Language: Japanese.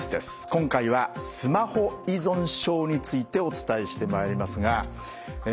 今回はスマホ依存症についてお伝えしてまいりますがえ